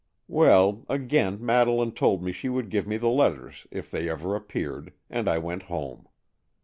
Well, again Madeleine told me she would give me the letters if they ever appeared, and I went home.